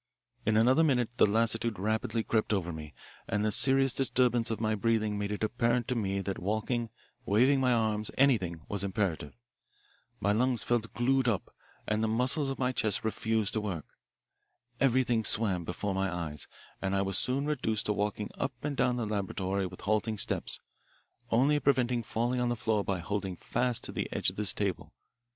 In another minute the lassitude rapidly crept over me, and the serious disturbance of my breathing made it apparent to me that walking, waving my arms, anything, was imperative. My lungs felt glued up, and the muscles of my chest refused to work. Everything swam before my eyes, and I was soon reduced to walking up and down the laboratory with halting steps, only preventing falling on the floor by holding fast to the edge of this table.